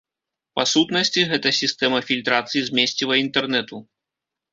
Па сутнасці, гэта сістэма фільтрацыі змесціва інтэрнэту.